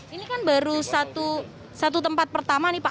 ini kan baru satu tempat pertama nih pak